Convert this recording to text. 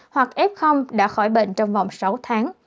hoặc f đã khỏi bệnh trong vòng sáu tháng